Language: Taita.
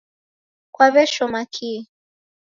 Kwaw'eshoma kihi?